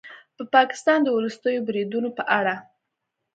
د پاکستان د وروستیو بریدونو په اړه